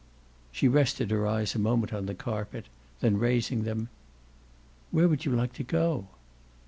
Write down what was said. She rested her eyes a moment on the carpet; then raising them: "Where would you like to go?"